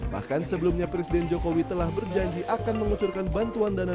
bahkan sebelumnya presiden jokowi telah berjanji akan mengucurkan bantuan dana